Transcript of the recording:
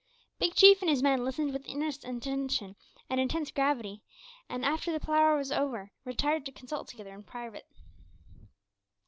Big Chief and his men listened with earnest attention and intense gravity, and, after the palaver was over, retired to consult together in private.